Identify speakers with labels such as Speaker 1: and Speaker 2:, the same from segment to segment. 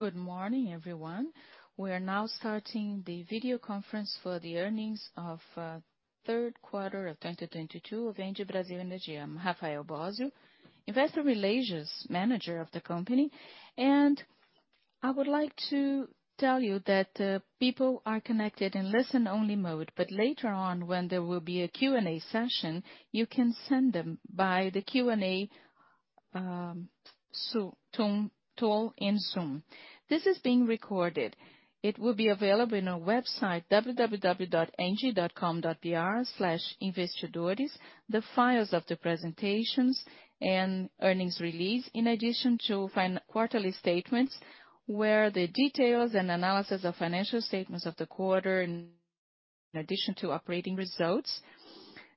Speaker 1: Good morning, everyone. We are now starting the video conference for the earnings of third quarter of 2022 of ENGIE Brasil Energia. I'm Rafael Bósio, investor relations manager of the company, and I would like to tell you that people are connected in listen-only mode, but later on when there will be a Q&A session, you can send them by the Q&A in Zoom. This is being recorded. It will be available in our website, www.engie.com.br/investidores. The files of the presentations and earnings release, in addition to quarterly statements, where the details and analysis of financial statements of the quarter and, in addition to operating results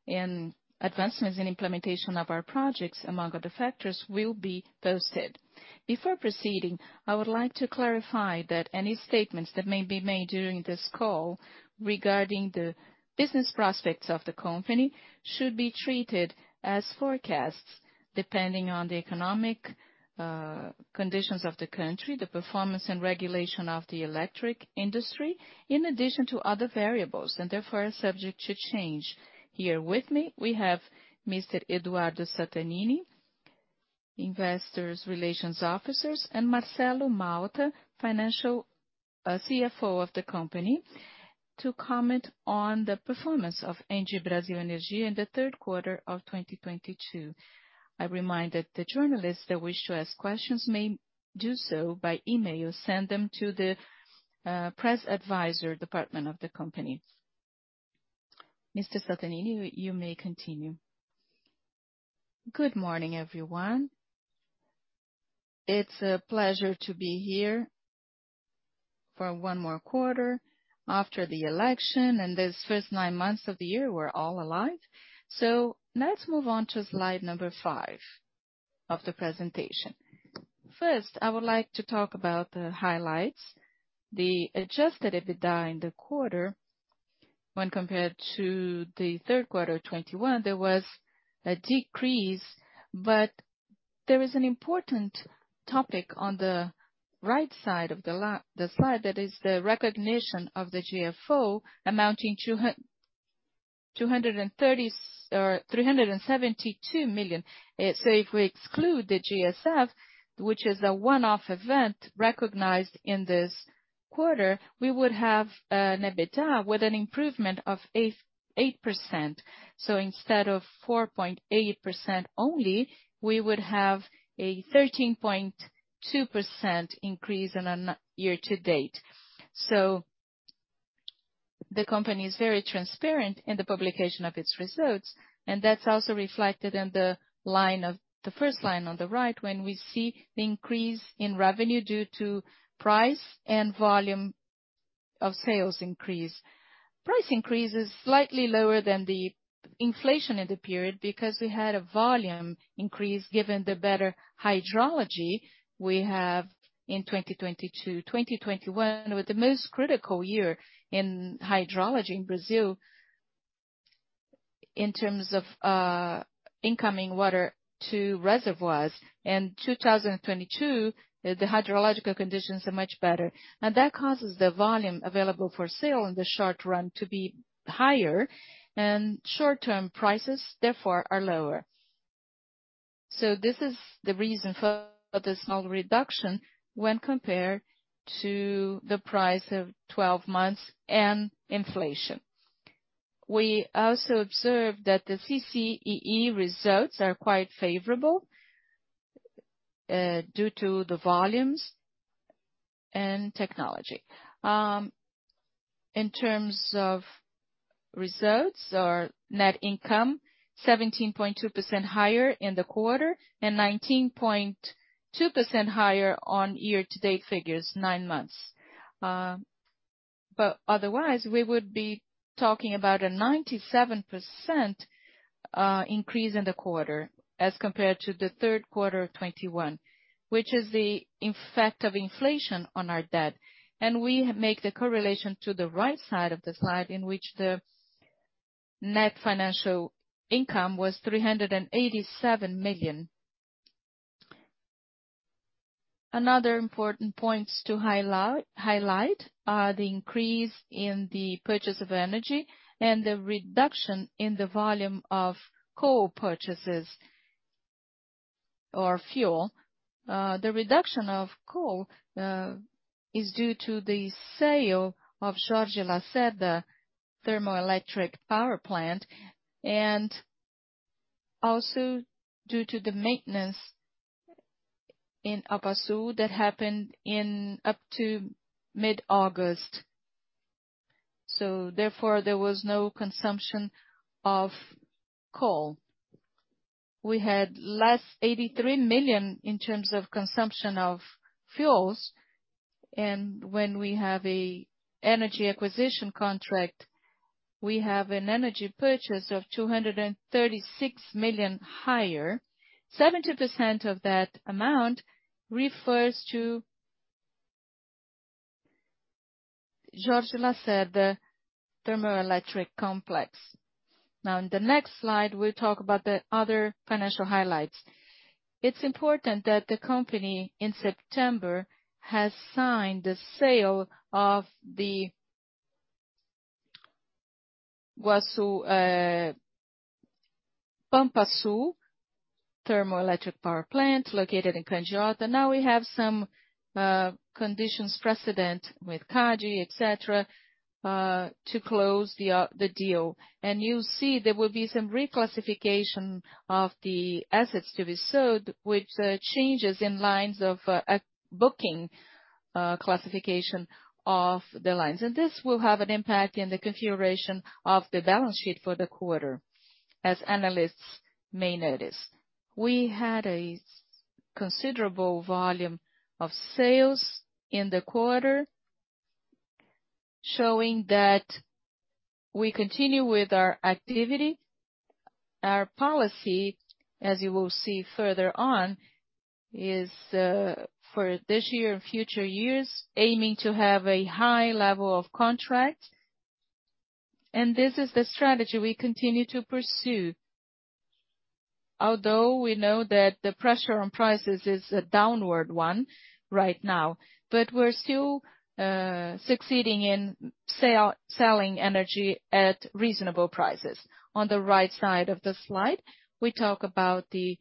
Speaker 1: and advancements in implementation of our projects, among other factors, will be posted. Before proceeding, I would like to clarify that any statements that may be made during this call regarding the business prospects of the company should be treated as forecasts, depending on the economic conditions of the country, the performance and regulation of the electric industry, in addition to other variables, and therefore are subject to change. Here with me, we have Mr. Eduardo Sattamini, Investor Relations Officer, and Marcelo Malta, CFO of the company, to comment on the performance of ENGIE Brasil Energia in the third quarter of 2022. I remind that the journalists that wish to ask questions may do so by email. Send them to the press advisor department of the company. Mr. Sattamini, you may continue.
Speaker 2: Good morning, everyone. It's a pleasure to be here for one more quarter after the election, and this first nine months of the year, we're all alive. Let's move on to slide number five of the presentation. First, I would like to talk about the highlights. The adjusted EBITDA in the quarter, when compared to the third quarter of 2021, there was a decrease, but there is an important topic on the right side of the slide, that is the recognition of the GSF amounting 372 million. If we exclude the GSF, which is a one-off event recognized in this quarter, we would have an EBITDA with an improvement of 8%. Instead of 4.8% only, we would have a 13.2% increase year to date. The company is very transparent in the publication of its results, and that's also reflected in the first line on the right, when we see the increase in revenue due to price and volume of sales increase. Price increase is slightly lower than the inflation in the period because we had a volume increase given the better hydrology we have in 2022. 2021 was the most critical year in hydrology in Brazil in terms of incoming water to reservoirs. In 2022, the hydrological conditions are much better, and that causes the volume available for sale in the short run to be higher and short-term prices, therefore, are lower. This is the reason for the small reduction when compared to the price of 12 months and inflation. We also observed that the CCEE results are quite favorable, due to the volumes and technology. In terms of results or net income, 17.2% higher in the quarter and 19.2% higher on year-to-date figures, nine months. Otherwise, we would be talking about a 97% increase in the quarter as compared to the third quarter of 2021, which is the effect of inflation on our debt. We make the correlation to the right side of the slide in which the net financial income was 387 million. Another important points to highlight are the increase in the purchase of energy and the reduction in the volume of coal purchases or fuel. The reduction of coal is due to the sale of Jorge Lacerda Thermoelectric Power Plant, and also due to the maintenance in Pampa Sul that happened up to mid-August. Therefore, there was no consumption of coal. We had 83 million less in terms of consumption of fuels. When we have an energy acquisition contract, we have an energy purchase of 236 million higher. 70% of that amount refers to Jorge Lacerda Thermoelectric Complex. Now in the next slide, we'll talk about the other financial highlights. It's important that the company in September has signed the sale of the Pampa Sul Thermoelectric Power Plant located in Candiota. Now we have some conditions precedent with CG, et cetera, to close the deal. You see there will be some reclassification of the assets to be sold, which changes in lines of booking, classification of the lines. This will have an impact in the configuration of the balance sheet for the quarter, as analysts may notice. We had a considerable volume of sales in the quarter, showing that we continue with our activity. Our policy, as you will see further on, is for this year and future years, aiming to have a high level of contract. This is the strategy we continue to pursue. Although we know that the pressure on prices is a downward one right now, but we're still succeeding in selling energy at reasonable prices. On the right side of the slide, we talk about the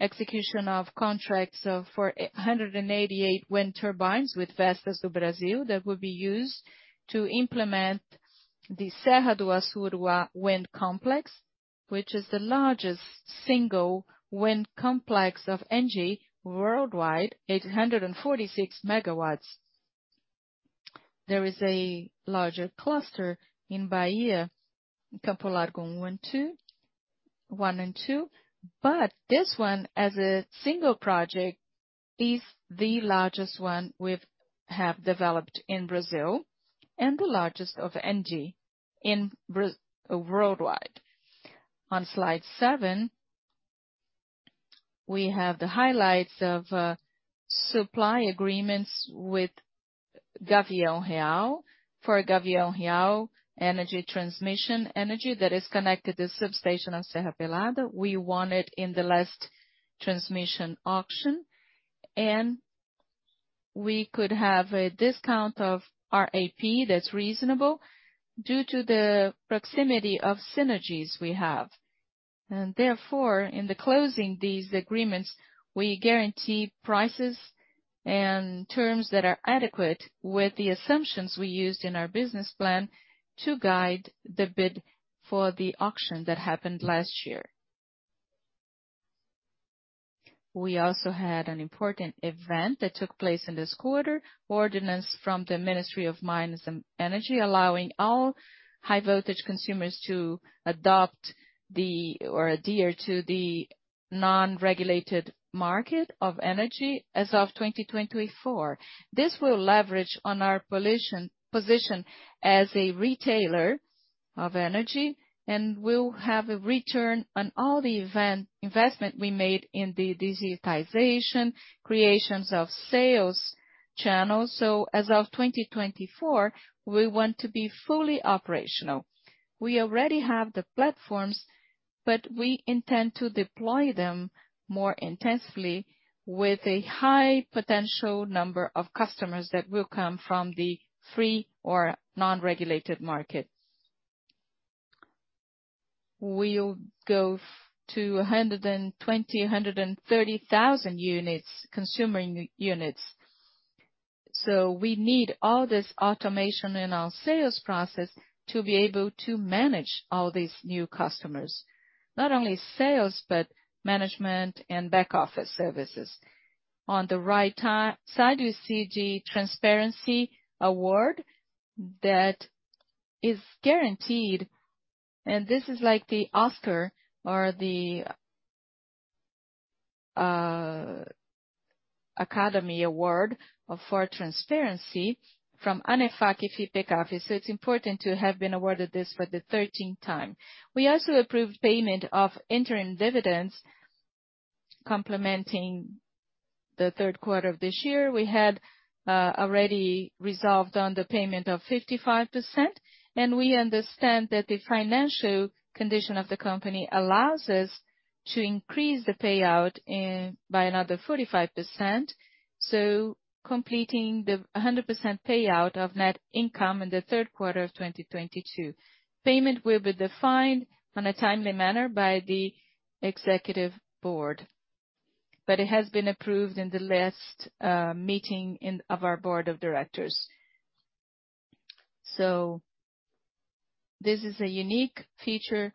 Speaker 2: execution of contracts of 488 wind turbines with Vestas do Brasil that will be used to implement the Serra do Assuruá Wind Complex, which is the largest single wind complex of ENGIE worldwide, 846 MW. There is a larger cluster in Bahia, Campo Largo 1, 2, 1 and 2, but this one, as a single project, is the largest one we've developed in Brazil and the largest of ENGIE worldwide. On slide seven, we have the highlights of supply agreements with Gavião Real for Gavião Real Transmissora de Energia that is connected to the substation of Serra Pelada. We won it in the last transmission auction, and we could have a discount of our RAP that's reasonable due to the proximity of synergies we have. Therefore, in the closing these agreements, we guarantee prices and terms that are adequate with the assumptions we used in our business plan to guide the bid for the auction that happened last year. We also had an important event that took place in this quarter, ordinance from the Ministry of Mines and Energy, allowing all high-voltage consumers to adhere to the non-regulated market of energy as of 2024. This will leverage our position as a retailer of energy and will have a return on all the investment we made in the digitization, creations of sales channels. As of 2024, we want to be fully operational. We already have the platforms, but we intend to deploy them more intensely with a high potential number of customers that will come from the free or non-regulated markets. We'll go to 120,000-130,000 consumer units. We need all this automation in our sales process to be able to manage all these new customers, not only sales, but management and back office services. On the right-hand side, you see the Transparency Award that is guaranteed, and this is like the Oscar or the Academy Award for Transparency from ANEFAC and Fipecafi. It's important to have been awarded this for the 13th time. We also approved payment of interim dividends complementing the third quarter of this year. We had already resolved on the payment of 55%, and we understand that the financial condition of the company allows us to increase the payout by another 45%, so completing the 100% payout of net income in the third quarter of 2022. Payment will be defined on a timely manner by the executive board, but it has been approved in the last meeting of our board of directors. This is a unique feature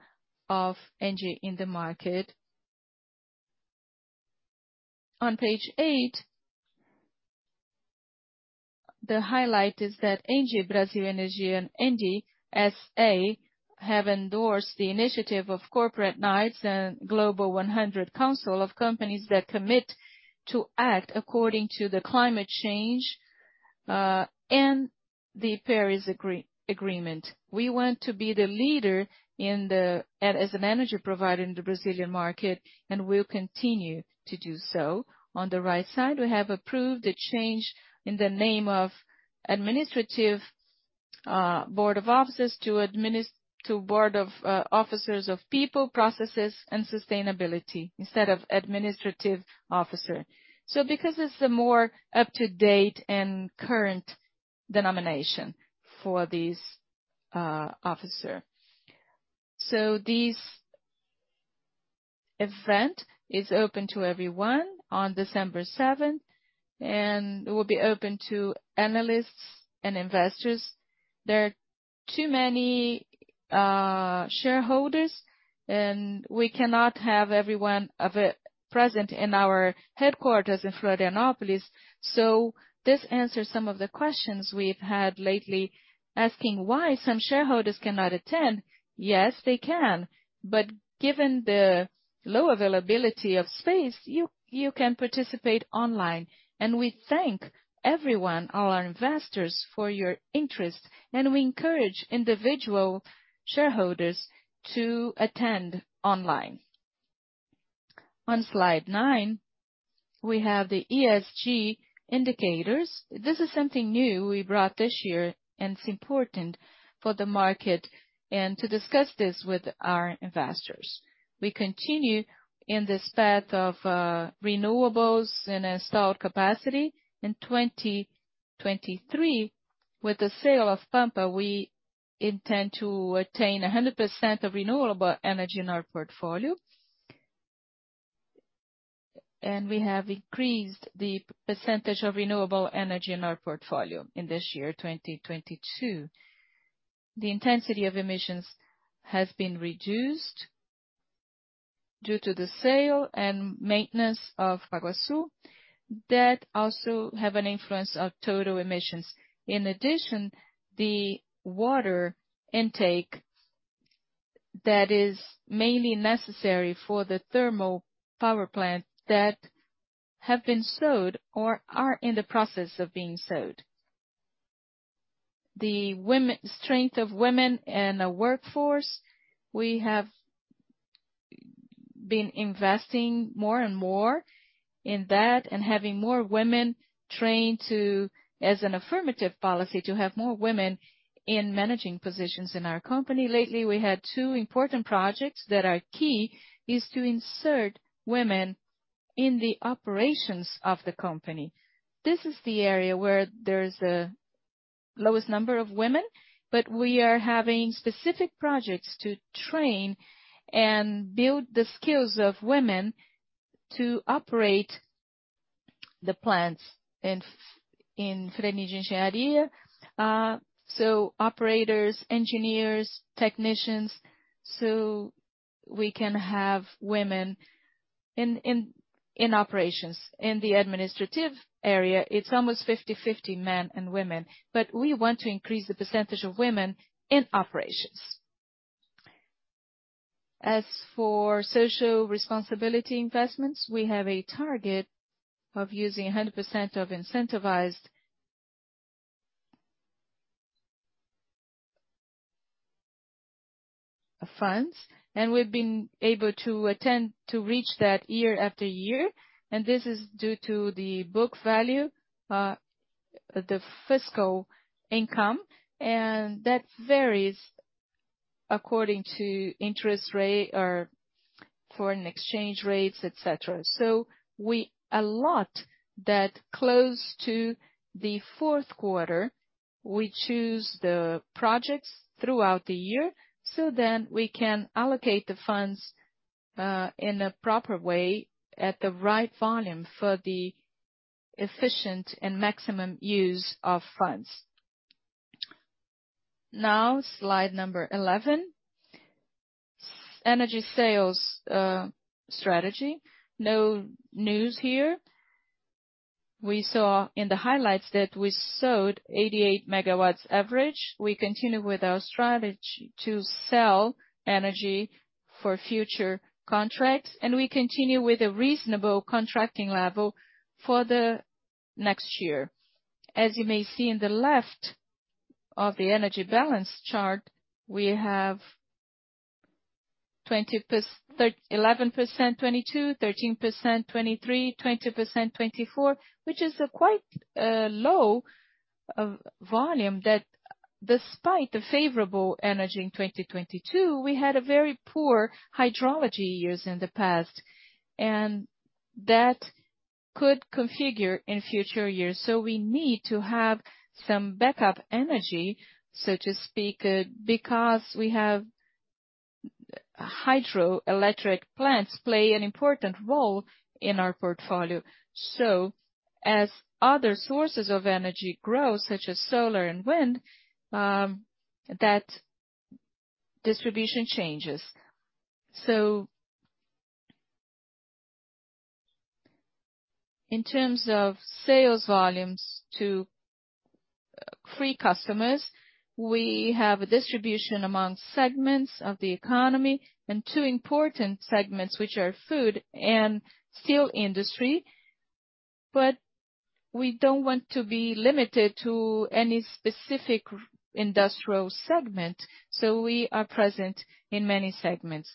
Speaker 2: of ENGIE in the market. On page eight, the highlight is that ENGIE Brasil Energia and ENGIE SA have endorsed the initiative of Corporate Knights and Global 100 Council of companies that commit to act according to the climate change and the Paris Agreement. We want to be the leader as an energy provider in the Brazilian market, and we'll continue to do so. On the right side, we have approved a change in the name of Administrative Board of Officers to Board of Officers of People, Processes and Sustainability instead of Administrative Officer. Because it's the more up-to-date and current denomination for this officer. This event is open to everyone on December 7th, and it will be open to analysts and investors. There are too many shareholders, and we cannot have everyone present in our headquarters in Florianópolis. This answers some of the questions we've had lately, asking why some shareholders cannot attend. Yes, they can, but given the low availability of space, you can participate online. We thank everyone, all our investors, for your interest, and we encourage individual shareholders to attend online. On slide nine, we have the ESG indicators. This is something new we brought this year, and it's important for the market and to discuss this with our investors. We continue in this path of renewables and installed capacity. In 2023, with the sale of Pampa, we intend to attain 100% of renewable energy in our portfolio. We have increased the percentage of renewable energy in our portfolio in this year, 2022. The intensity of emissions has been reduced due to the sale and maintenance of Pampa Sul that also have an influence on total emissions. In addition, the water intake that is mainly necessary for the thermal power plant that have been sold or are in the process of being sold. The strength of women in the workforce, we have been investing more and more in that and having more women trained to, as an affirmative policy, to have more women in managing positions in our company. Lately, we had two important projects that are key, is to insert women in the operations of the company. This is the area where there's the lowest number of women, but we are having specific projects to train and build the skills of women to operate the plants in ENGIE Engenharia, so operators, engineers, technicians, so we can have women in operations. In the administrative area, it's almost 50-50 men and women, but we want to increase the percentage of women in operations. As for social responsibility investments, we have a target of using 100% of incentivized funds, and we've been able to attain that year after year. This is due to the book value, the fiscal income, and that varies according to interest rate or foreign exchange rates, et cetera. We allocate that close to the fourth quarter. We choose the projects throughout the year, so then we can allocate the funds in a proper way at the right volume for the efficient and maximum use of funds. Now, slide number 11. Energy sales strategy. No news here. We saw in the highlights that we sold 88 MW average. We continue with our strategy to sell energy for future contracts, and we continue with a reasonable contracting level for the next year. As you may see on the left of the energy balance chart, we have 11% 2022, 13% 2023, 20% 2024, which is a quite low volume that despite the favorable energy in 2022, we had very poor hydrological years in the past, and that could recur in future years. We need to have some backup energy, so to speak, because we have hydroelectric plants play an important role in our portfolio. As other sources of energy grow, such as solar and wind, that distribution changes. In terms of sales volumes to free customers, we have a distribution among segments of the economy and two important segments, which are food and steel industry. We don't want to be limited to any specific industrial segment, so we are present in many segments.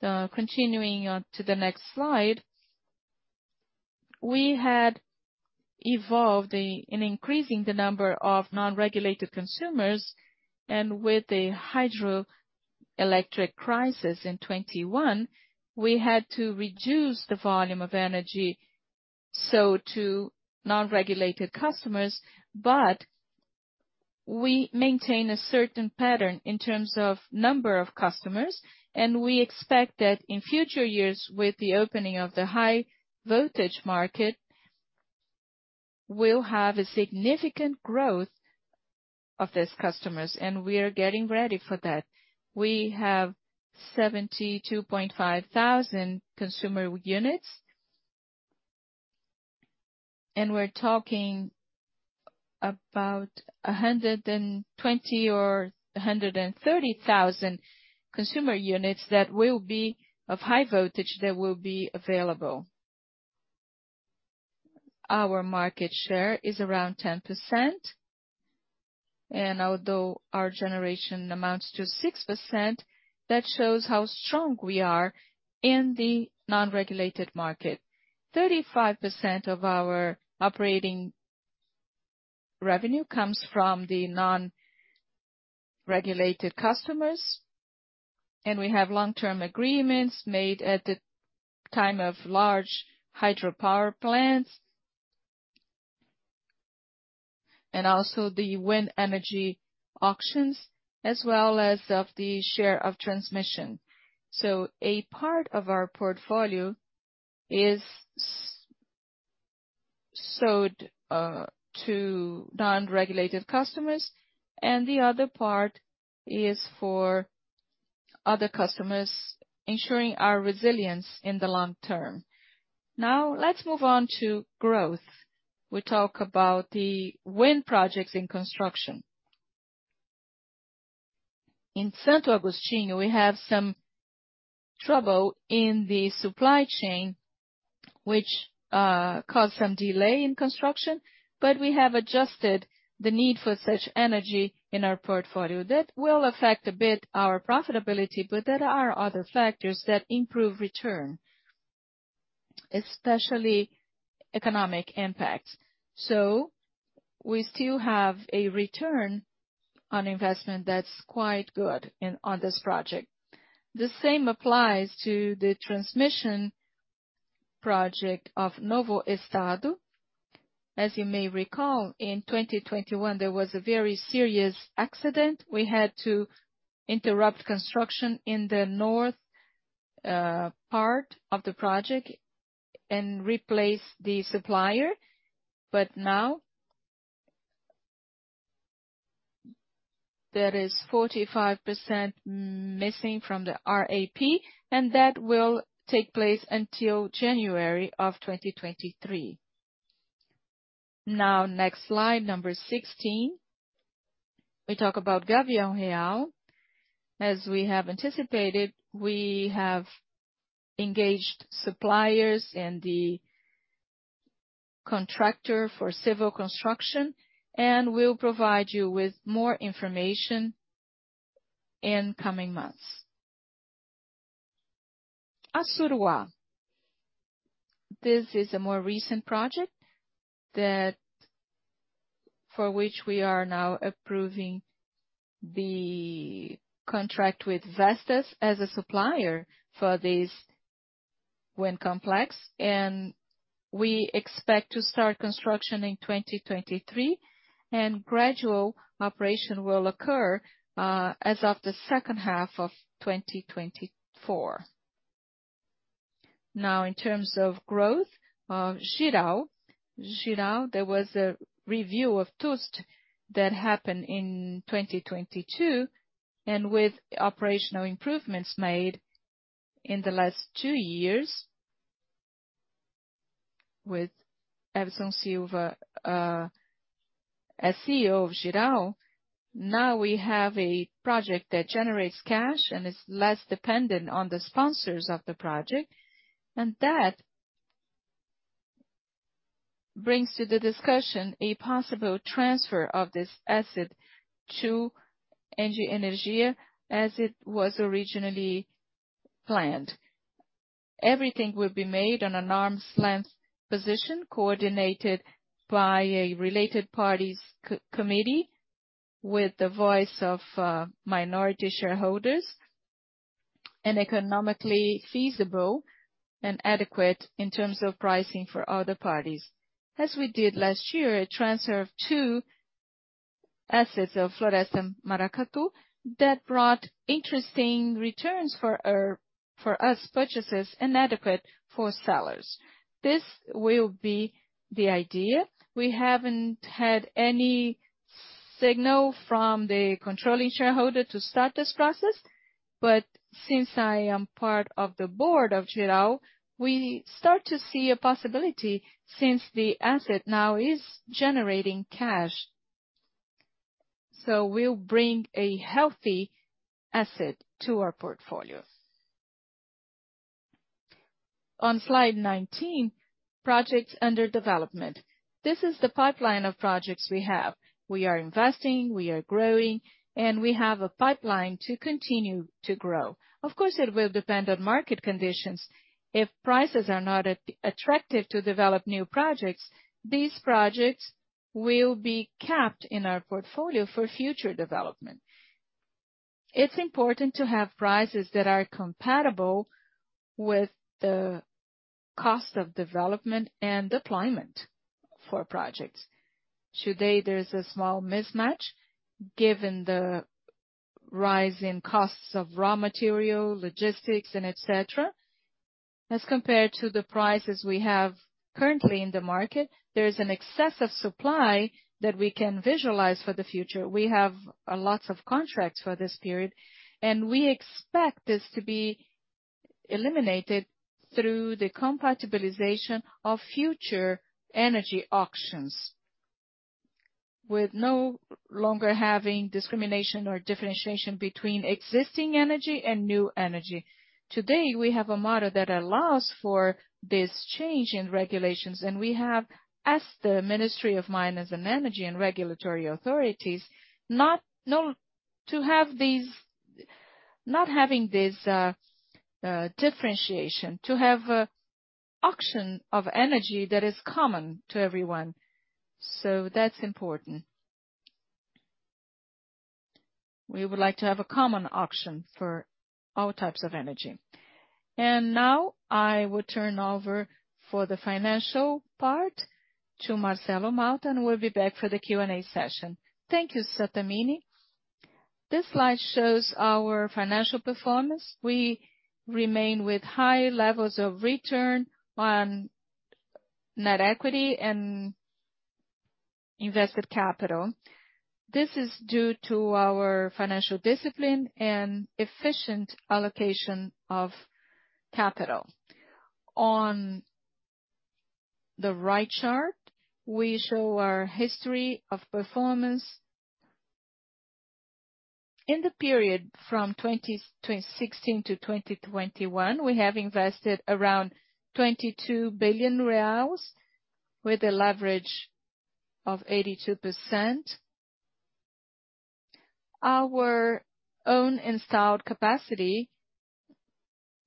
Speaker 2: Continuing on to the next slide. We had evolved in increasing the number of non-regulated consumers, and with the hydroelectric crisis in 2021, we had to reduce the volume of energy sold to non-regulated customers. We maintain a certain pattern in terms of number of customers, and we expect that in future years, with the opening of the high voltage market, we'll have a significant growth of these customers, and we are getting ready for that. We have 72,500 consumer units. We're talking about 120,000 or 130,000 consumer units that will be of high voltage that will be available. Our market share is around 10%, and although our generation amounts to 6%, that shows how strong we are in the non-regulated market. 35% of our operating revenue comes from the non-regulated customers, and we have long-term agreements made at the time of large hydropower plants, and also the wind energy auctions, as well as of the share of transmission. A part of our portfolio is sold to non-regulated customers, and the other part is for other customers, ensuring our resilience in the long term. Now, let's move on to growth. We talk about the wind projects in construction. In Santo Agostinho, we have some trouble in the supply chain, which caused some delay in construction, but we have adjusted the need for such energy in our portfolio. That will affect a bit our profitability, but there are other factors that improve return, especially economic impacts. We still have a return on investment that's quite good on this project. The same applies to the transmission project of Novo Estado. As you may recall, in 2021, there was a very serious accident. We had to interrupt construction in the north part of the project and replace the supplier. Now, there is 45% missing from the RAP, and that will take place until January of 2023. Now, next slide, number 16. We talk about Gavião Real. As we have anticipated, we have engaged suppliers and the contractor for civil construction, and we'll provide you with more information in coming months. Assuruá. This is a more recent project that for which we are now approving the contract with Vestas as a supplier for this wind complex. We expect to start construction in 2023, and gradual operation will occur, as of the second half of 2024. Now, in terms of growth, Jirau. Jirau, there was a review of TUST that happened in 2022, and with operational improvements made in the last two years with Edson Silva as CEO of Jirau, now we have a project that generates cash and is less dependent on the sponsors of the project. That brings to the discussion a possible transfer of this asset to ENGIE Brasil Energia, as it was originally planned. Everything will be made on an arm's length position, coordinated by a related party's committee with the voice of minority shareholders and economically feasible and adequate in terms of pricing for other parties. As we did last year, a transfer of two assets of Floresta and Paracatu that brought interesting returns for us purchasers and adequate for sellers. This will be the idea. We haven't had any signal from the controlling shareholder to start this process, but since I am part of the board of Jirau, we start to see a possibility since the asset now is generating cash. We'll bring a healthy asset to our portfolio. On slide 19, projects under development. This is the pipeline of projects we have. We are investing, we are growing, and we have a pipeline to continue to grow. Of course, it will depend on market conditions. If prices are not attractive to develop new projects, these projects will be capped in our portfolio for future development. It's important to have prices that are compatible with the cost of development and deployment for projects. Today, there's a small mismatch given the rise in costs of raw material, logistics and et cetera, as compared to the prices we have currently in the market. There is an excessive supply that we can visualize for the future. We have lots of contracts for this period, and we expect this to be eliminated through the compatibilization of future energy auctions, with no longer having discrimination or differentiation between existing energy and new energy. Today, we have a model that allows for this change in regulations, and we have asked the Ministry of Mines and Energy and regulatory authorities not to have this differentiation. To have auction of energy that is common to everyone. That's important. We would like to have a common auction for all types of energy. Now I will turn over for the financial part to Marcelo Malta, and we'll be back for the Q&A session.
Speaker 3: Thank you, Sattamini. This slide shows our financial performance. We remain with high levels of return on net equity and invested capital. This is due to our financial discipline and efficient allocation of capital. On the right chart, we show our history of performance. In the period from 2016-2021, we have invested around 22 billion reais with a leverage of 82%. Our own installed capacity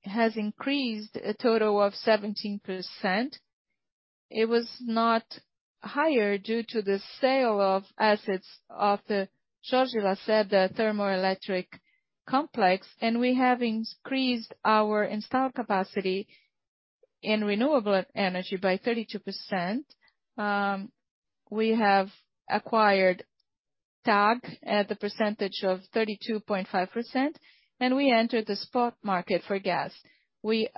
Speaker 3: has increased a total of 17%. It was not higher due to the sale of assets of the Jorge Lacerda Thermoelectric Complex. We have increased our installed capacity in renewable energy by 32%. We have acquired TAG at the percentage of 32.5%, and we entered the spot market for gas. We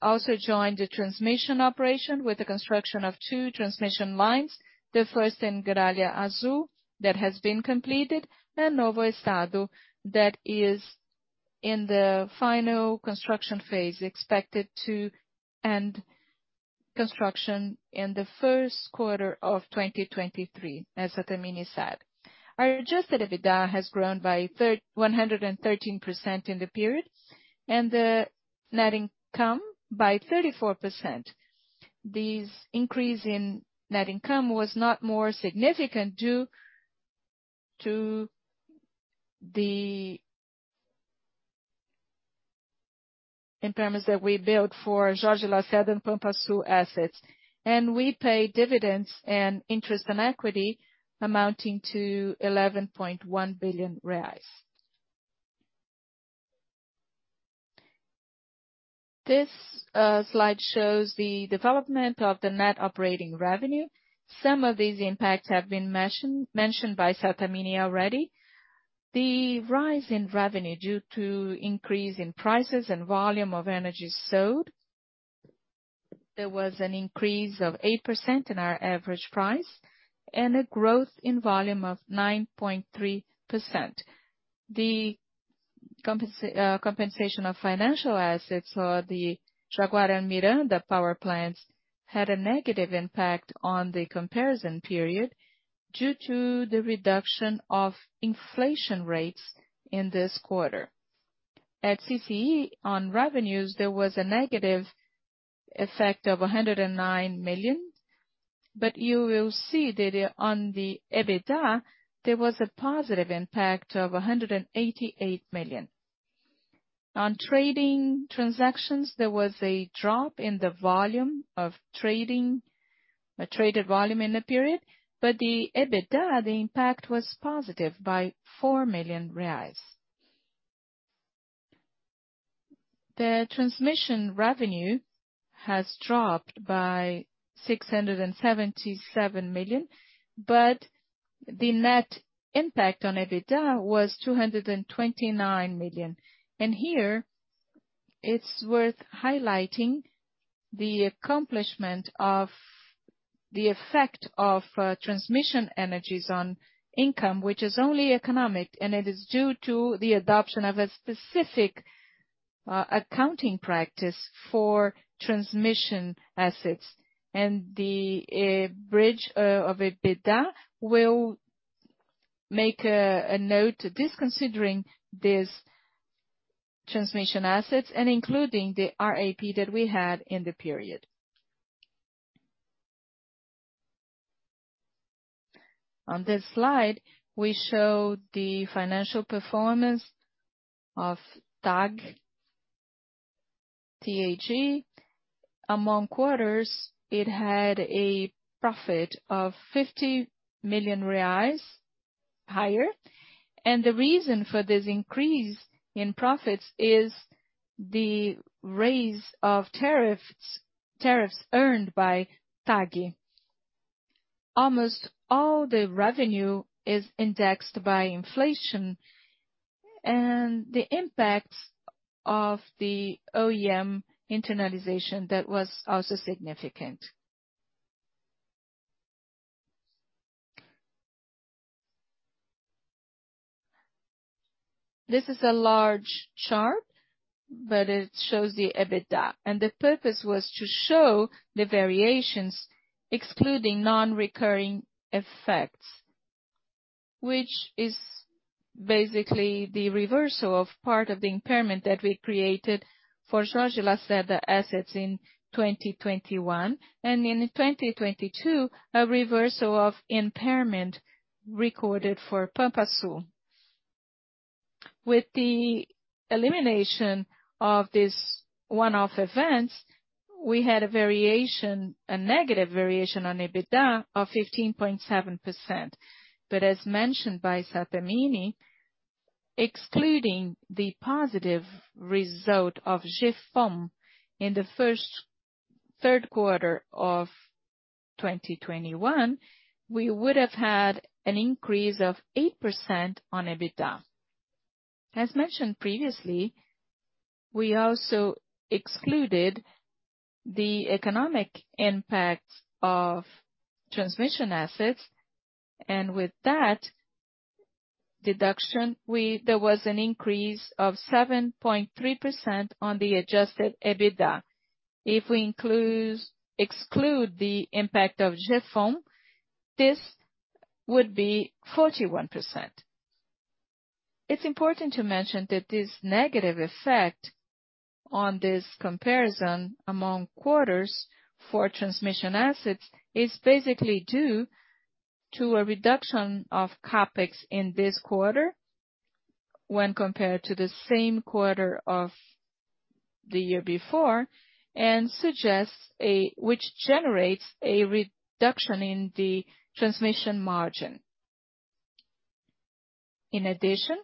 Speaker 3: also joined the transmission operation with the construction of two transmission lines, the first in Gralha Azul that has been completed, and Novo Estado that is in the final construction phase, expected to end construction in the first quarter of 2023, as Sattamini said. Our adjusted EBITDA has grown by 113% in the period, and the net income by 34%. This increase in net income was not more significant due to the impairments that we booked for Jorge Lacerda and Pampa Sul assets. We paid dividends and interest in equity amounting to 11.1 billion reais. This slide shows the development of the net operating revenue. Some of these impacts have been mentioned by Sattamini already. The rise in revenue due to increase in prices and volume of energy sold, there was an increase of 8% in our average price and a growth in volume of 9.3%. The compensation of financial assets for the Jaguara and Miranda power plants had a negative impact on the comparison period due to the reduction of inflation rates in this quarter. At CCEE, on revenues, there was a negative effect of 109 million, but you will see that in the EBITDA there was a positive impact of 188 million. On trading transactions, there was a drop in the volume of traded volume in the period, but the EBITDA impact was positive by 4 million reais. The transmission revenue has dropped by 677 million, but the net impact on EBITDA was 229 million. Here it's worth highlighting the accomplishment of the effect of transmission energies on income, which is only economic, and it is due to the adoption of a specific accounting practice for transmission assets. The bridge of EBITDA will make a note disconsidering these transmission assets and including the RAP that we had in the period. On this slide, we show the financial performance of TAG. QoQ, it had a profit of 50 million reais higher. The reason for this increase in profits is the raise of tariffs earned by TAG. Almost all the revenue is indexed by inflation and the impact of the O&M internalization that was also significant. This is a large chart, but it shows the EBITDA, and the purpose was to show the variations excluding non-recurring effects, which is basically the reversal of part of the impairment that we created for Jorge Lacerda assets in 2021, and in 2022, a reversal of impairment recorded for Pampa Sul. With the elimination of these one-off events, we had a variation, a negative variation on EBITDA of 15.7%. As mentioned by Sattamini, excluding the positive result of GFIM in the first and third quarter of 2021, we would have had an increase of 8% on EBITDA. As mentioned previously, we also excluded the economic impact of transmission assets. With that deduction, there was an increase of 7.3% on the adjusted EBITDA. If we exclude the impact of GFIM, this would be 41%. It's important to mention that this negative effect on this comparison among quarters for transmission assets is basically due to a reduction of CapEx in this quarter when compared to the same quarter of the year before, and suggests which generates a reduction in the transmission margin. In addition,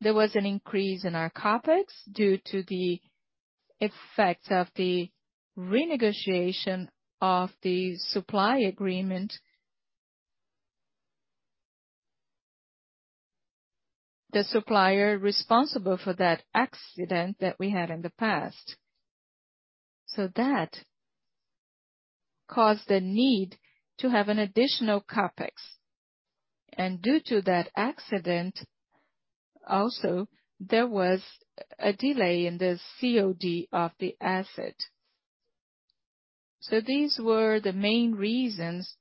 Speaker 3: there was an increase in our CapEx due to the effects of the renegotiation of the supply agreement. The supplier responsible for that accident that we had in the past. That caused the need to have an additional CapEx. Due to that accident, also, there was a delay in the COD of the asset. These were the main reasons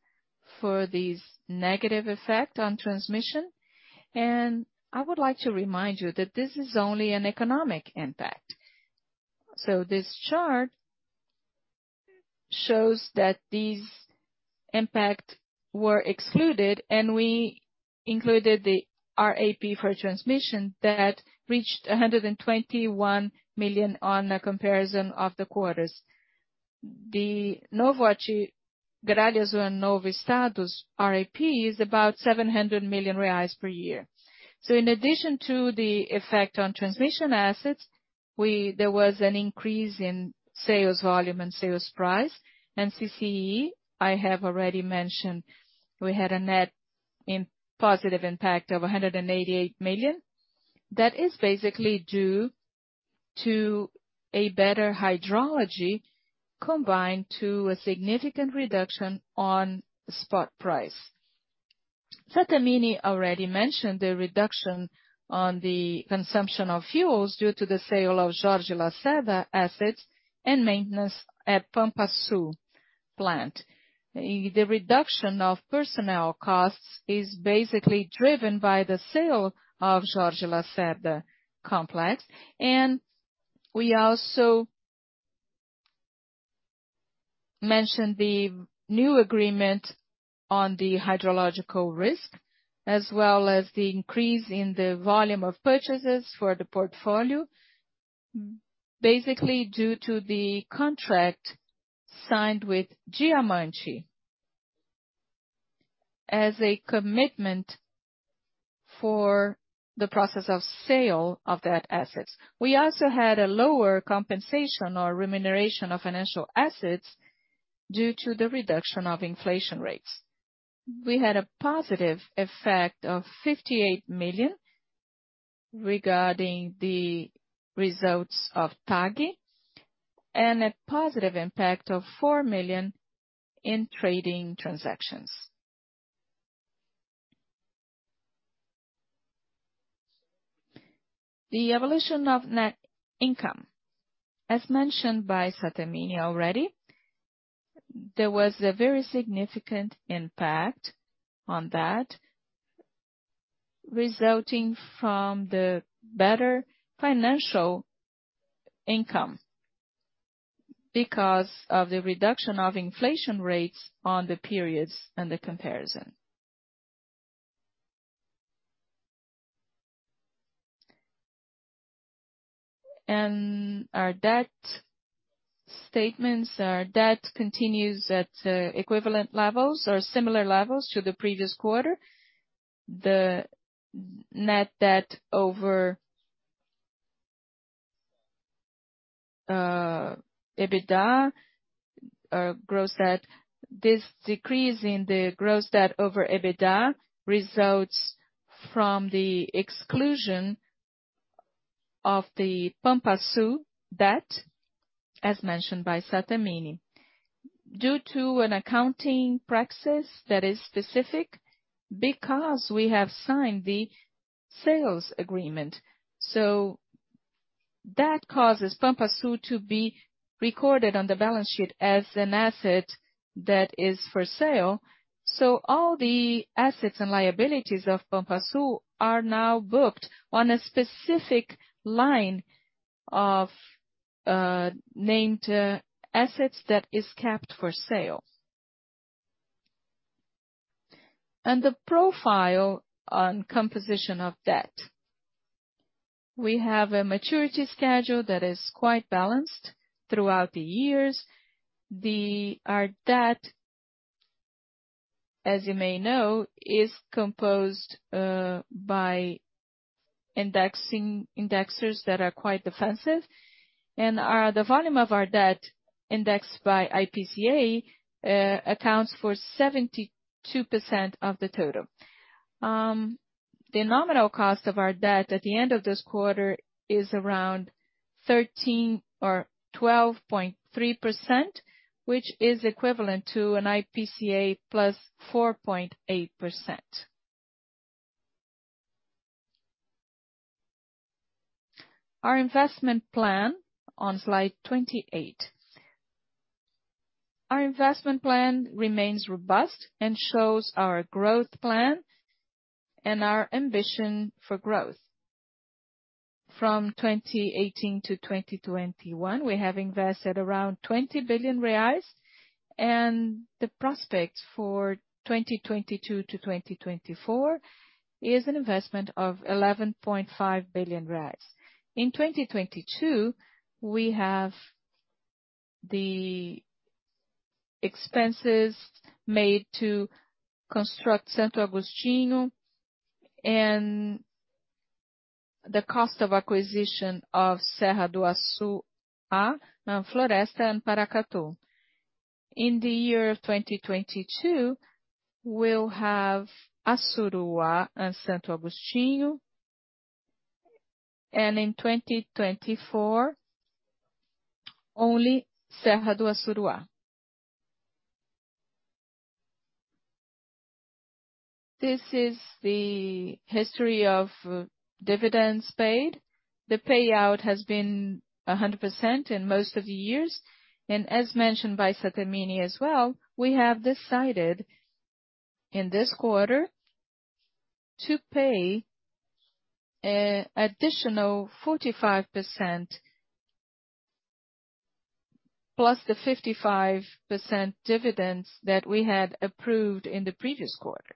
Speaker 3: for this negative effect on transmission. I would like to remind you that this is only an economic impact. This chart shows that these impacts were excluded, and we included the RAP for transmission that reached 121 million on a comparison of the quarters. The Gavião Real, Gralha Azul and Novo Estado's RAP is about 700 million reais per year. In addition to the effect on transmission assets, there was an increase in sales volume and sales price. CCEE, I have already mentioned, we had a net positive impact of 188 million. That is basically due to a better hydrology combined with a significant reduction in spot price. Sattamini already mentioned the reduction in the consumption of fuels due to the sale of Jorge Lacerda assets and maintenance at Pampa Sul plant. The reduction of personnel costs is basically driven by the sale of Jorge Lacerda complex. We also mentioned the new agreement on the hydrological risk, as well as the increase in the volume of purchases for the portfolio, basically due to the contract signed with Diamante as a commitment for the process of sale of that assets. We also had a lower compensation or remuneration of financial assets due to the reduction of inflation rates. We had a positive effect of 58 million regarding the results of TAG, and a positive impact of 4 million in trading transactions. The evolution of net income. As mentioned by Sattamini already, there was a very significant impact on that, resulting from the better financial income because of the reduction of inflation rates on the periods and the comparison. Our debt statements. Our debt continues at equivalent levels or similar levels to the previous quarter. The net debt over EBITDA, gross debt. This decrease in the gross debt over EBITDA results from the exclusion of the Pampa Sul debt, as mentioned by Sattamini, due to an accounting practice that is specific because we have signed the sales agreement. That causes Pampa Sul to be recorded on the balance sheet as an asset that is for sale. All the assets and liabilities of Pampa Sul are now booked on a specific line of named assets that is kept for sale. The profile and composition of debt. We have a maturity schedule that is quite balanced throughout the years. Our debt, as you may know, is composed by indexing indexers that are quite defensive. The volume of our debt indexed by IPCA accounts for 72% of the total. The nominal cost of our debt at the end of this quarter is around 13% or 12.3%, which is equivalent to an IPCA +4.8%. Our investment plan on slide 28. Our investment plan remains robust and shows our growth plan and our ambition for growth. From 2018-2021, we have invested around 20 billion reais, and the prospect for 2022-2024 is an investment of 11.5 billion. In 2022, we have the expenses made to construct Santo Antônio and the cost of acquisition of Serra do Assuruá, Floresta and Paracatu. In the year of 2022, we'll have Assuruá and Santo Antônio. In 2024, only Serra do Assuruá. This is the history of dividends paid. The payout has been 100% in most of the years. As mentioned by Sattamini as well, we have decided in this quarter to pay additional 45%+ the 55% dividends that we had approved in the previous quarter.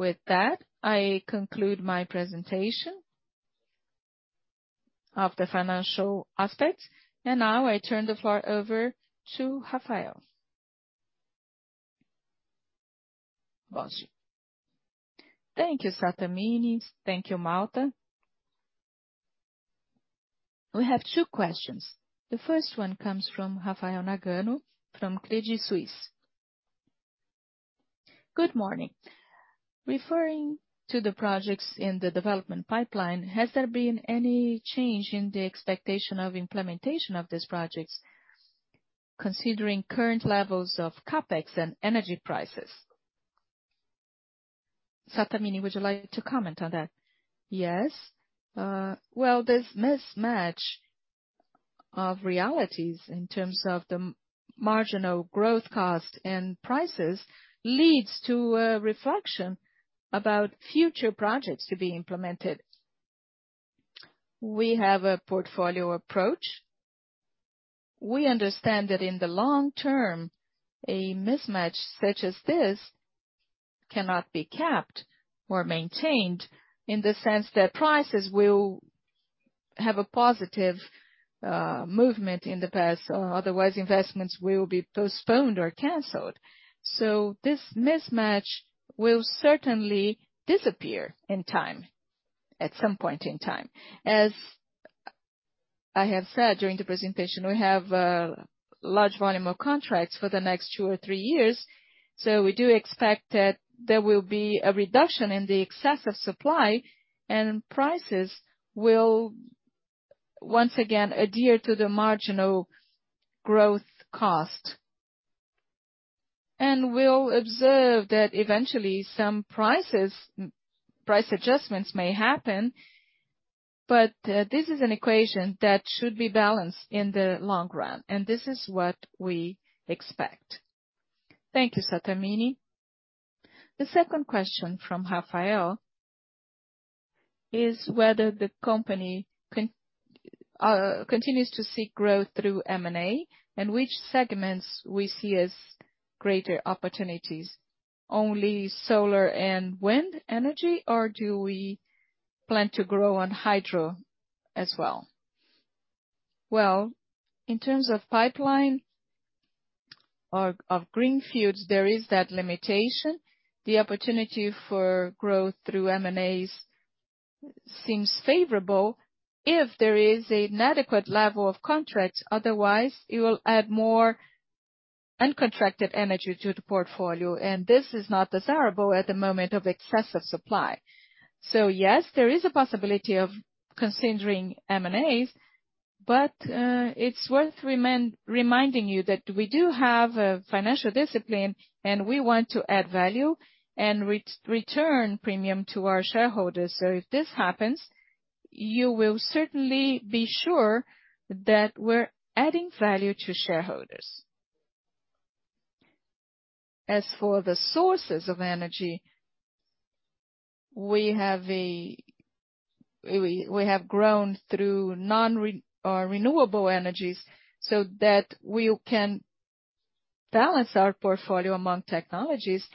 Speaker 3: With that, I conclude my presentation of the financial aspects. Now I turn the floor over to Rafael.
Speaker 1: Thank you, Sattamini. Thank you, Malta. We have two questions. The first one comes from Rafael Nagano from Credit Suisse.
Speaker 4: Good morning. Referring to the projects in the development pipeline, has there been any change in the expectation of implementation of these projects, considering current levels of CapEx and energy prices? Sattamini, would you like to comment on that?
Speaker 2: Yes. Well, this mismatch of realities in terms of the marginal growth cost and prices leads to a reflection about future projects to be implemented. We have a portfolio approach. We understand that in the long term, a mismatch such as this cannot be capped or maintained in the sense that prices will have a positive movement in the past, otherwise investments will be postponed or canceled. This mismatch will certainly disappear in time, at some point in time. As I have said during the presentation, we have a large volume of contracts for the next two or three years. We do expect that there will be a reduction in the excess of supply and prices will once again adhere to the marginal growth cost. We'll observe that eventually some price adjustments may happen, but this is an equation that should be balanced in the long run, and this is what we expect.
Speaker 1: Thank you, Sattamini. The second question from Rafael is whether the company continues to seek growth through M&A, and which segments we see as greater opportunities. Only solar and wind energy, or do we plan to grow on hydro as well?
Speaker 2: Well, in terms of pipeline of green fields, there is that limitation. The opportunity for growth through M&As seems favorable if there is an adequate level of contracts, otherwise, it will add more uncontracted energy to the portfolio, and this is not desirable at the moment of excessive supply. Yes, there is a possibility of considering M&As, but, it's worth reminding you that we do have a financial discipline, and we want to add value and return premium to our shareholders. If this happens, you will certainly be sure that we're adding value to shareholders. As for the sources of energy, we have grown through renewable energies, so that we can balance our portfolio among technologies.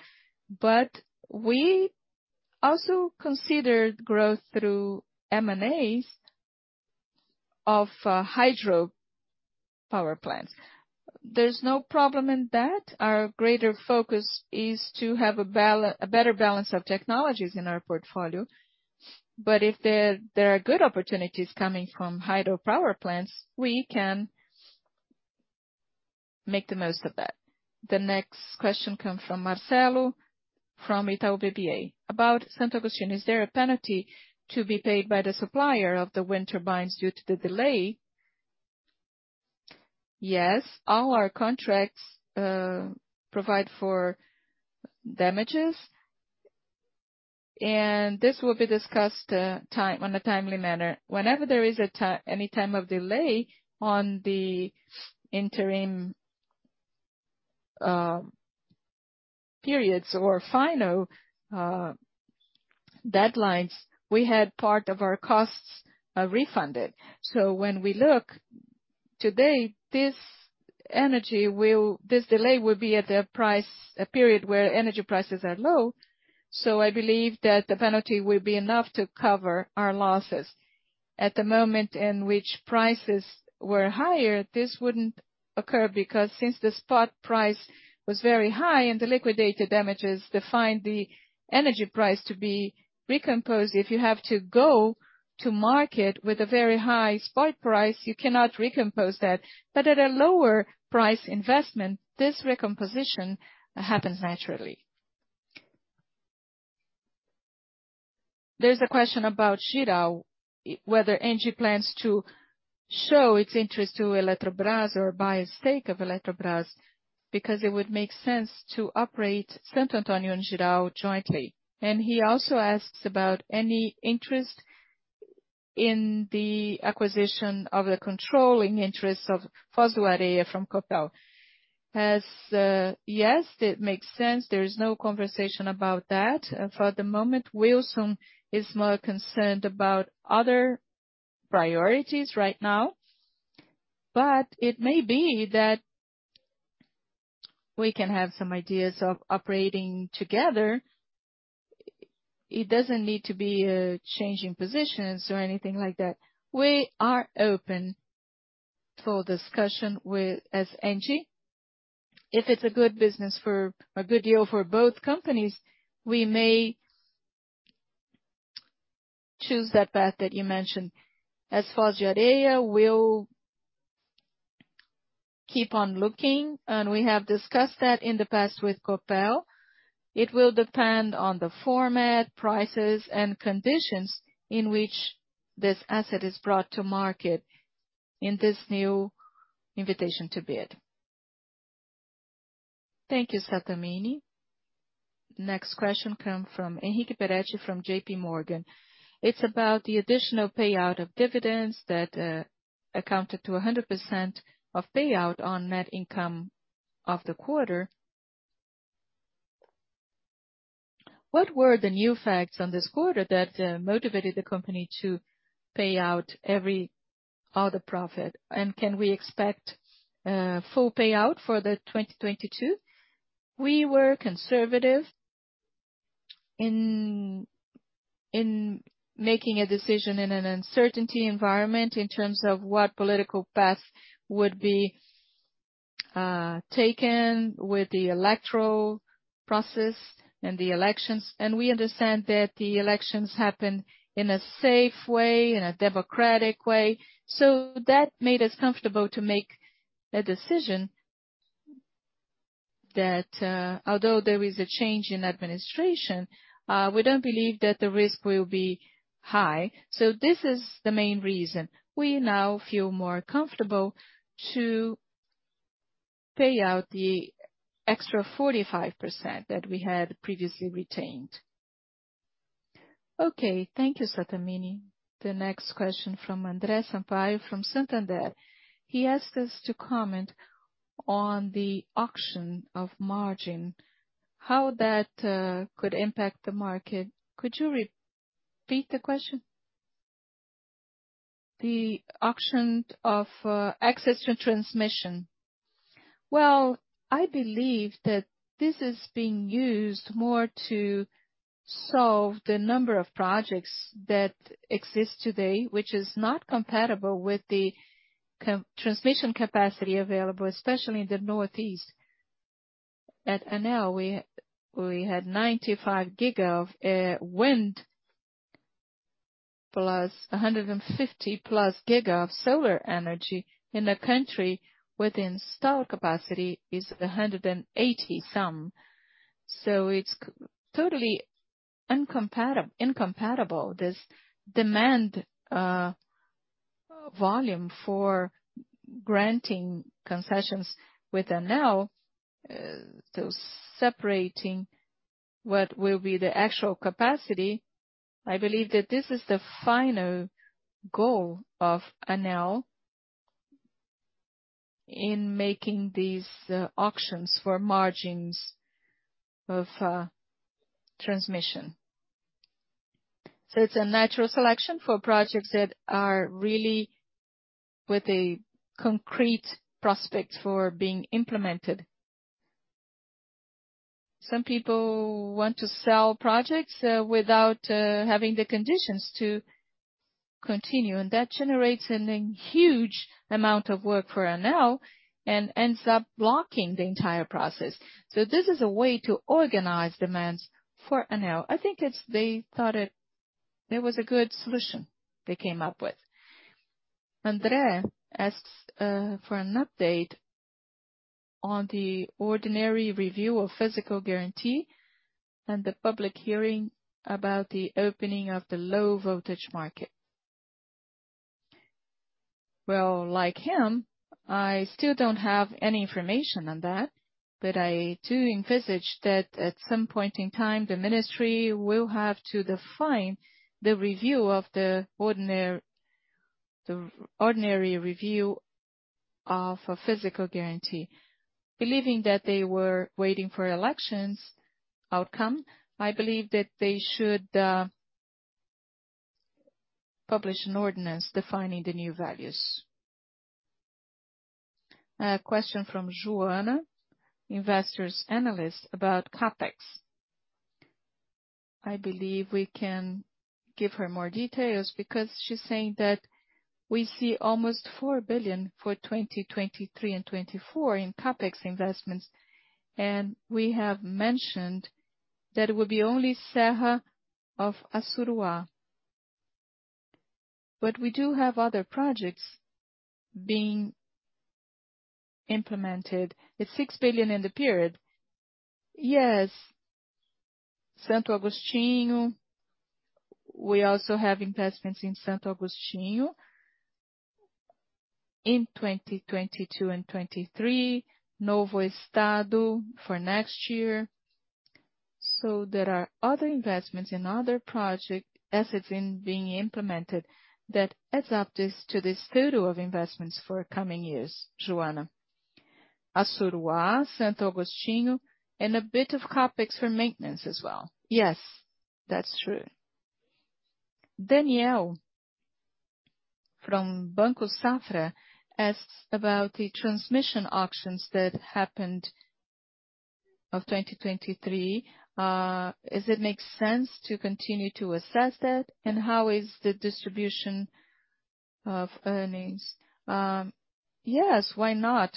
Speaker 2: We also considered growth through M&As of hydro power plants. There's no problem in that. Our greater focus is to have a better balance of technologies in our portfolio. If there are good opportunities coming from hydropower plants, we can make the most of that.
Speaker 1: The next question comes from Marcelo, from Itaú BBA, about Santo Agostinho. Is there a penalty to be paid by the supplier of the wind turbines due to the delay?
Speaker 2: Yes, all our contracts provide for damages, and this will be discussed in a timely manner. Whenever there is any time of delay on the interim periods or final deadlines, we had part of our costs refunded. When we look today, this delay will be at a period where energy prices are low. I believe that the penalty will be enough to cover our losses. At the moment in which prices were higher, this wouldn't occur because since the spot price was very high and the liquidated damages defined the energy price to be recomposed, if you have to go to market with a very high spot price, you cannot recompose that. At lower price investment, this recomposition happens naturally.
Speaker 1: There's a question about Jirau, whether ENGIE plans to show its interest to Eletrobras or buy a stake of Eletrobras, because it would make sense to operate Santo Antônio and Jirau jointly. He also asks about any interest in the acquisition of the controlling interest of Foz do Areia from Copel.
Speaker 2: Yes, it makes sense. There is no conversation about that. For the moment, Wilson is more concerned about other priorities right now. It may be that we can have some ideas of operating together. It doesn't need to be a change in positions or anything like that. We are open for discussion with ENGIE. If it's a good business for a good deal for both companies, we may choose that path that you mentioned. As for Foz do Areia, we'll keep on looking, and we have discussed that in the past with Copel. It will depend on the format, prices, and conditions in which this asset is brought to market in this new invitation to bid.
Speaker 1: Thank you, Sattamini. Next question comes from Henrique Peretti from JPMorgan. It's about the additional payout of dividends that amounted to 100% payout on net income of the quarter. What were the new facts in this quarter that motivated the company to pay out every other profit? And can we expect full payout for 2022?
Speaker 2: We were conservative in making a decision in an uncertain environment in terms of what political path would be taken with the electoral process and the elections. We understand that the elections happen in a safe way, in a democratic way. That made us comfortable to make a decision that although there is a change in administration we don't believe that the risk will be high. This is the main reason. We now feel more comfortable to pay out the extra 45% that we had previously retained.
Speaker 1: Okay, thank you, Sattamini. The next question from André Sampaio from Santander. He asked us to comment on the auction of access to transmission, how that could impact the market.
Speaker 2: Could you repeat the question?
Speaker 1: The auction of access to transmission.
Speaker 2: Well, I believe that this is being used more to solve the number of projects that exist today, which is not compatible with the transmission capacity available, especially in the Northeast. At ANEEL, we had 95 GW of wind, plus 150+ GW of solar energy in the country with installed storage capacity is 180-some. So it's totally incompatible, this demand volume for granting concessions with ANEEL to separating what will be the actual capacity. I believe that this is the final goal of ANEEL in making these auctions for margins of transmission. It's a natural selection for projects that are really with a concrete prospect for being implemented. Some people want to sell projects without having the conditions to continue, and that generates a huge amount of work for ANEEL and ends up blocking the entire process. This is a way to organize demands for ANEEL. I think they thought it was a good solution they came up with.
Speaker 1: André Sampaio asks for an update on the ordinary review of physical guarantee and the public hearing about the opening of the low voltage market.
Speaker 2: Well, like him, I still don't have any information on that, but I do envisage that at some point in time, the ministry will have to define the review of the ordinary review of a physical guarantee. Believing that they were waiting for elections outcome, I believe that they should publish an ordinance defining the new values.
Speaker 1: A question from Joana, investor's analyst about CapEx. I believe we can give her more details because she's saying that we see almost 4 billion for 2023 and 2024 in CapEx investments. We have mentioned that it will be only Serra do Assuruá. We do have other projects being implemented. It's 6 billion in the period.
Speaker 2: Yes. Santo Antônio. We also have investments in Santo Antônio in 2022 and 2023. Novo Estado for next year. There are other investments in other project assets being implemented that adds up to this total of investments for coming years, Joana. Assú, Santo Agostinho, and a bit of CapEx for maintenance as well. Yes, that's true.
Speaker 1: Daniel from Banco Safra asks about the transmission auctions that happened in 2023. Does it make sense to continue to assess that? And how is the distribution of earnings?
Speaker 2: Yes, why not?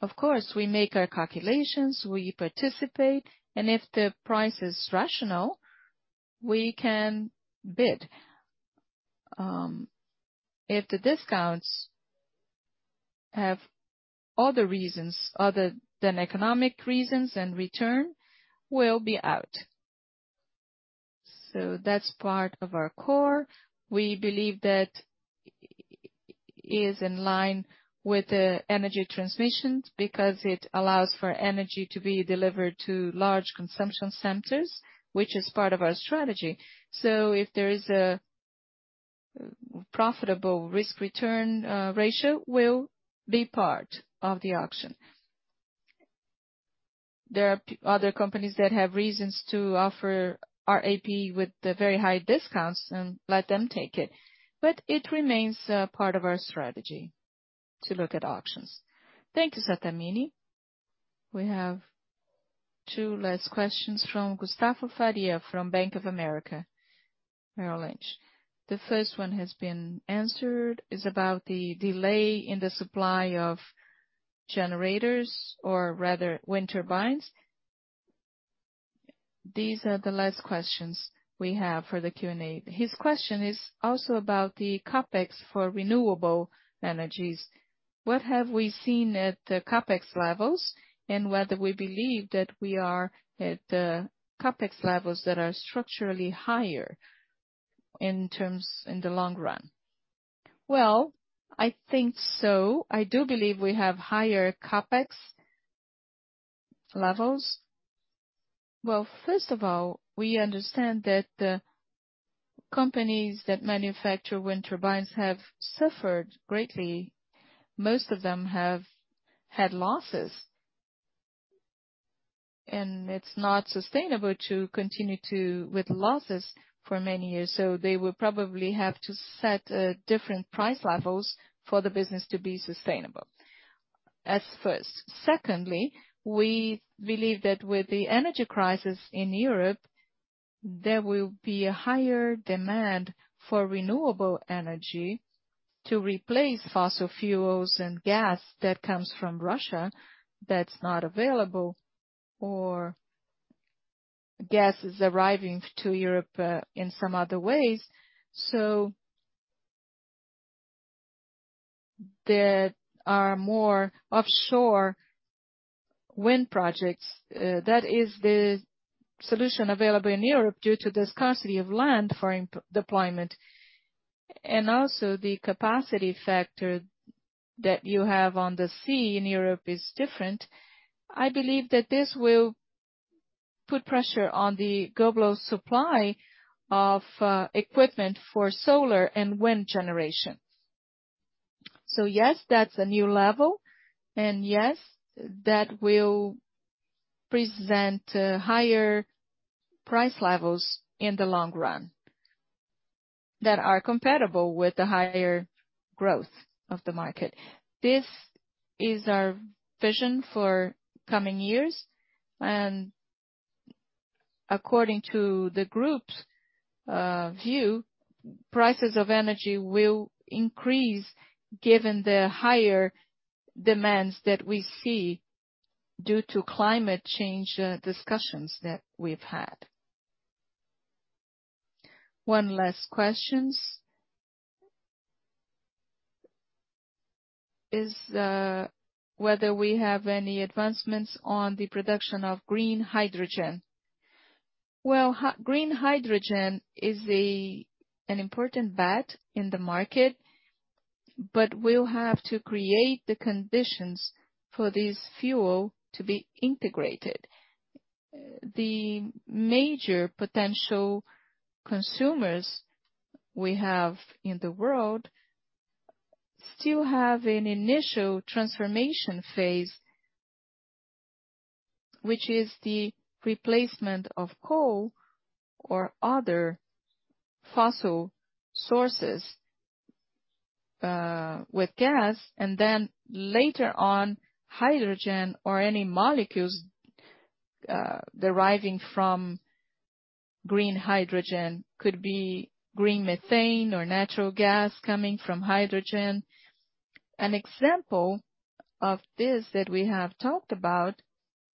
Speaker 2: Of course, we make our calculations, we participate, and if the price is rational, we can bid. If the discounts have other reasons other than economic reasons and return, we'll be out. That's part of our core. We believe that is in line with the energy transmissions, because it allows for energy to be delivered to large consumption centers, which is part of our strategy. If there is a profitable risk-return ratio, we'll be part of the auction. There are other companies that have reasons to offer RAP with very high discounts and let them take it. But it remains part of our strategy to look at auctions.
Speaker 1: Thank you, Sattamini. We have two last questions from Gustavo Faria, from Bank of America Merrill Lynch. The first one has been answered. It's about the delay in the supply of generators or rather wind turbines. These are the last questions we have for the Q&A. His question is also about the CapEx for renewable energies. What have we seen at the CapEx levels and whether we believe that we are at CapEx levels that are structurally higher in the long run?
Speaker 2: Well, I think so. I do believe we have higher CapEx levels. Well, first of all, we understand that the companies that manufacture wind turbines have suffered greatly. Most of them have had losses. It's not sustainable to continue with losses for many years. They will probably have to set different price levels for the business to be sustainable. That's first. Secondly, we believe that with the energy crisis in Europe, there will be a higher demand for renewable energy to replace fossil fuels and gas that comes from Russia that's not available, or gas is arriving to Europe in some other ways. There are more offshore wind projects. That is the solution available in Europe due to the scarcity of land for deployment. Also the capacity factor that you have on the sea in Europe is different. I believe that this will put pressure on the global supply of equipment for solar and wind generation. Yes, that's a new level. Yes, that will present higher price levels in the long run that are compatible with the higher growth of the market. This is our vision for coming years. According to the group's view, prices of energy will increase given the higher demands that we see due to climate change discussions that we've had.
Speaker 1: One last question is whether we have any advancements on the production of green hydrogen.
Speaker 2: Well, green hydrogen is an important bet in the market, but we'll have to create the conditions for this fuel to be integrated. The major potential consumers we have in the world still have an initial transformation phase, which is the replacement of coal or other fossil sources with gas and then later on, hydrogen or any molecules deriving from green hydrogen. Could be green methane or natural gas coming from hydrogen. An example of this that we have talked about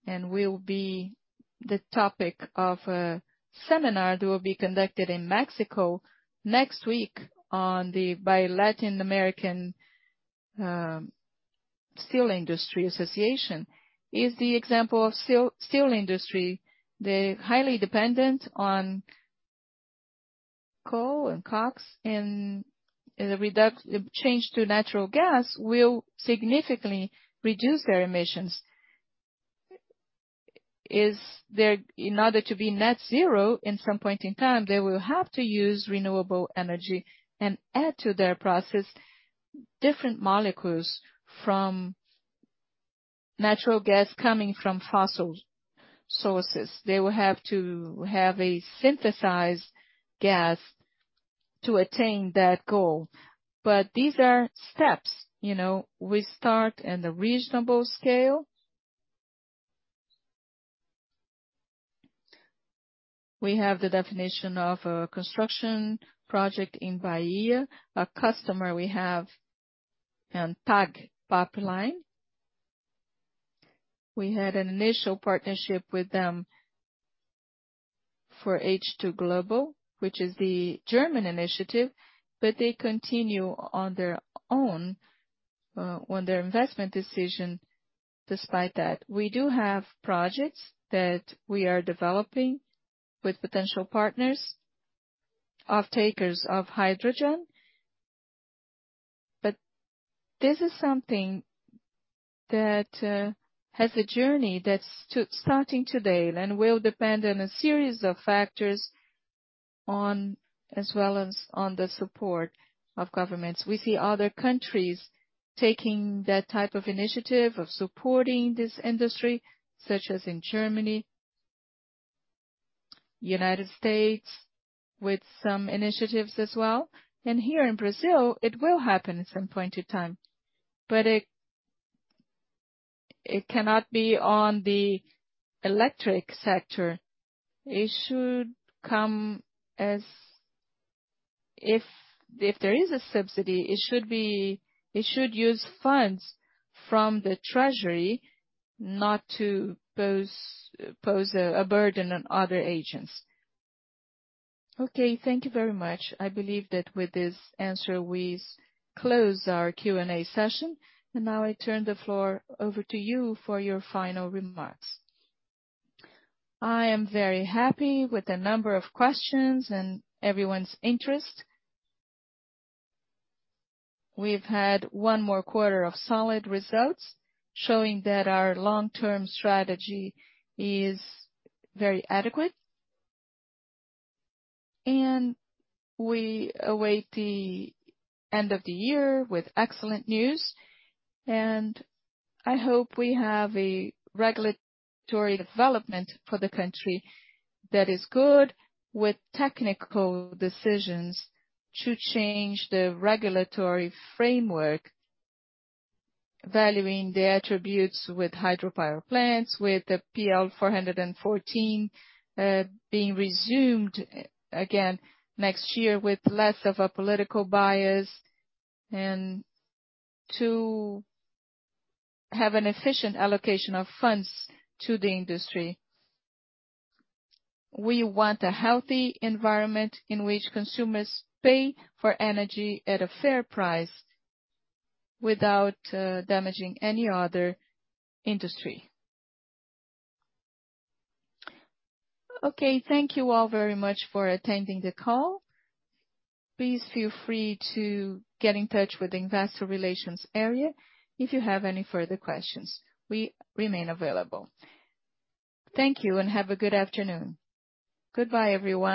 Speaker 2: and will be the topic of a seminar that will be conducted in Mexico next week by Latin American Steel Industry Association is the example of steel industry. They're highly dependent on coal and cokes, and a change to natural gas will significantly reduce their emissions. In order to be net zero in some point in time, they will have to use renewable energy and add to their process different molecules from natural gas coming from fossil sources. They will have to have a synthesized gas to attain that goal. These are steps, you know. We start on a reasonable scale. We have the definition of a construction project in Bahia. A customer we have, TAG pipeline. We had an initial partnership with them for H2Global, which is the German initiative, but they continue on their own on their investment decision despite that. We do have projects that we are developing with potential partners, off-takers of hydrogen. This is something that has a journey that starts today and will depend on a series of factors as well as on the support of governments. We see other countries taking that type of initiative, of supporting this industry, such as in Germany, the United States, with some initiatives as well. Here in Brazil, it will happen at some point in time. It cannot be on the electric sector. It should come as if there is a subsidy, it should use funds from the treasury not to pose a burden on other agents.
Speaker 1: Okay, thank you very much. I believe that with this answer, we close our Q&A session. Now I turn the floor over to you for your final remarks.
Speaker 2: I am very happy with the number of questions and everyone's interest. We've had one more quarter of solid results, showing that our long-term strategy is very adequate. We await the end of the year with excellent news. I hope we have a regulatory development for the country that is good with technical decisions to change the regulatory framework, valuing the attributes with hydropower plants, with the PL 414 being resumed again next year with less of a political bias, and to have an efficient allocation of funds to the industry. We want a healthy environment in which consumers pay for energy at a fair price without damaging any other industry.
Speaker 1: Okay, thank you all very much for attending the call. Please feel free to get in touch with the investor relations area if you have any further questions. We remain available. Thank you, and have a good afternoon.
Speaker 2: Goodbye, everyone.